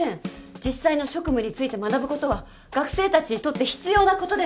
実際の職務について学ぶことは学生たちにとって必要なことです。